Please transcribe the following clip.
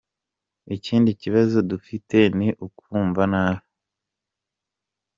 Ikindi kibazo dufite ni ukumva nabi.